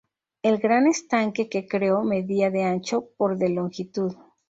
El gran estanque que creó medía de ancho por de longitud.